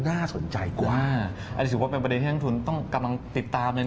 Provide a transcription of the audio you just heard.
อาจจะถือว่าเป็นประเด็นทางทุนต้องกำลังติดตามนะครับ